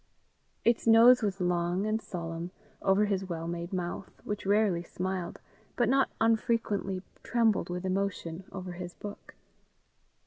Its nose was long and solemn, over his well made mouth, which rarely smiled, but not unfrequently trembled with emotion over his book.